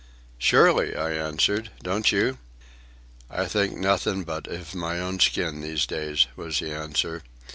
"Surely," I answered. "Don't you?" "I think nothing but iv my own skin, these days," was his answer.